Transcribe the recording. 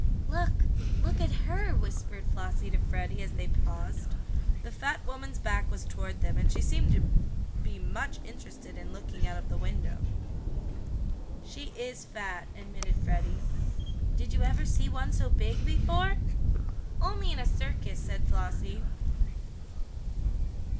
"Look look at her," whispered Flossie to Freddie, as they paused. The fat woman's back was toward them, and she seemed to be much interested in looking out of the window. "She is fat," admitted Freddie. "Did you ever see one so big before?" "Only in a circus," said Flossie.